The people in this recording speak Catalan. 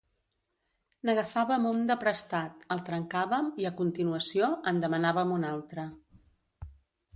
N'agafàvem un de prestat, el trencàvem i, a continuació, en demanàvem un altre.